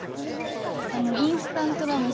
インスタントラーメン